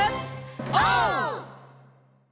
オー！